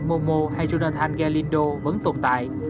momo hay jonathan galindo vẫn tồn tại